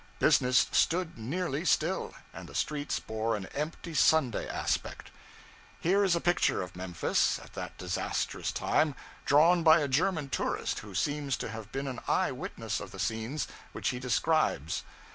Business stood nearly still, and the streets bore an empty Sunday aspect. Here is a picture of Memphis, at that disastrous time, drawn by a German tourist who seems to have been an eye witness of the scenes which he describes.